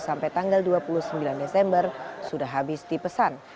sampai tanggal dua puluh sembilan desember sudah habis dipesan